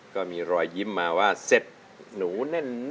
ก็มีรอยยิ้มมาว่าเซ็ตหนูแน่น